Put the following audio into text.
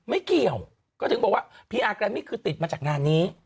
ไม่เกี่ยวก็ถึงบอกว่าพีอาร์แกรมมี่คือติดมาจากงานนี้